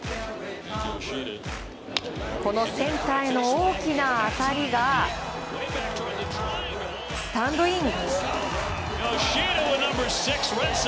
このセンターへの大きな当たりがスタンドイン！